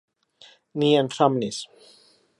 Ni en somnis.